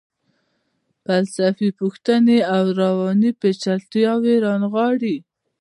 فلسفي پوښتنې او رواني پیچلتیاوې رانغاړي.